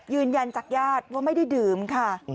ยืนยันจากญาติว่าไม่ได้ดื่มค่ะ